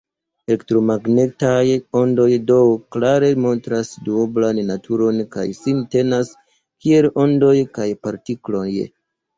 Elektromagnetaj ondoj do klare montras duoblan naturon, kaj sin tenas kiel ondoj kaj partikloj.